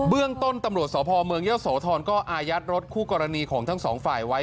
เรื่องต้นตำรวจสพเมืองเยอะโสธรก็อายัดรถคู่กรณีของทั้งสองฝ่ายไว้